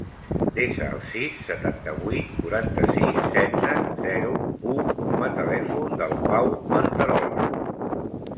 Desa el sis, setanta-vuit, quaranta-sis, setze, zero, u com a telèfon del Pau Manterola.